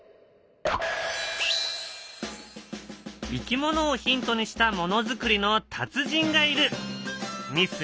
いきものをヒントにしたものづくりの達人がいる。